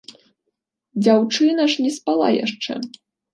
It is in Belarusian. Дзяўчына ж не спала яшчэ.